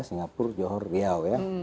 singapura johor riau ya